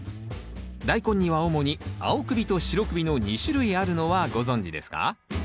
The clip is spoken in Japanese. ダイコンには主に青首と白首の２種類あるのはご存じですか？